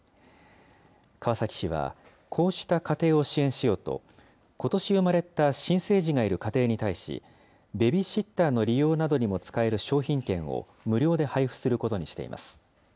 川崎市は、こうした家庭を支援しようと、ことし産まれた新生児がいる家庭に対し、ベビーシッターの利用などにも使える商品券を無料で配布することにしています。